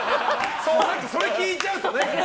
それ聞いちゃうとね。